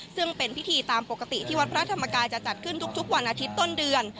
ซึ่งเป็นพิธีตามปกติที่วัดพระธรรมกายจะจัดขึ้นทุกวันอาทิตย์ต้นเดือน